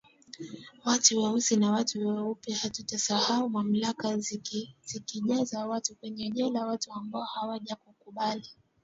watu weusi na watu weupe Hatutasahau mamlaka zikijaza watu kwenye jela watu ambao hawakukubali